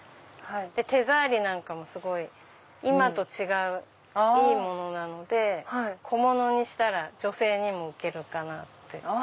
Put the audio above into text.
手触りもすごい今と違ういいものなので小物にしたら女性にも受けるかなって。